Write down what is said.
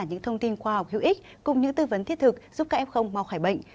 những thông tin khoa học hữu ích cùng những tư vấn thiết thực giúp kf mau khỏi bệnh